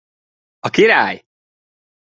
A Király!